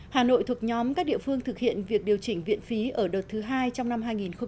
hà nội thuộc nhóm các địa phương thực hiện việc điều chỉnh viện phí ở đợt thứ hai trong năm hai nghìn hai mươi